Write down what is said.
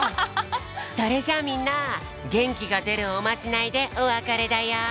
それじゃあみんなげんきがでるおまじないでおわかれだよ。